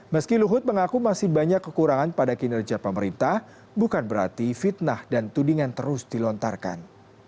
meski luhut mengaku masih banyak kekurangan pada kinerja pemerintah bukan berarti fitnah dan tudingan terus dilontarkan